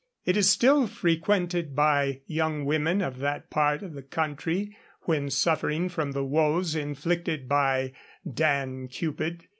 It is still frequented by young women of that part of the country when suffering from the woes inflicted by Dan Cupid.